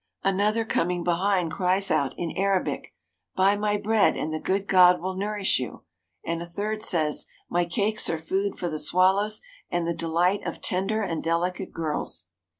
Another coming behind cries out in Arabic: "Buy my bread and the good God will nourish you," and a third says: "My cakes are food for the swallows and the delight of tender and delicate girls."